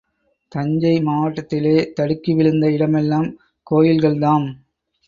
தஞ்சை மாவட்டத்திலே தடுக்கி விழுந்த இடமெல்லாம் கோயில்கள்தாம்.